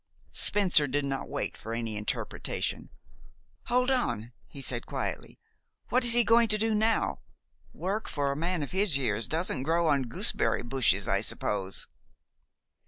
Spencer did not wait for any interpretation. "Hold on," he said quietly. "What is he going to do now? Work, for a man of his years, doesn't grow on gooseberry bushes, I suppose."